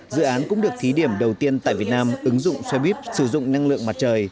dự án cũng được thí điểm đầu tiên tại việt nam ứng dụng xe buýt sử dụng năng lượng mặt trời